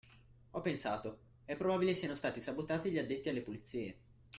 Ho pensato: “È probabile siano stati sabotati gli addetti alle pulizie.